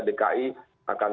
dki akan tingkatkan